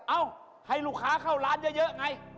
เอ้าให้ลูกค้าเข้าร้านเยอะไง